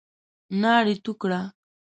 ناړي تو کړه !